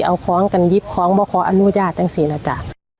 เอาของกันยิบของมาขออนุญาตตั้งศิลาจ้ะ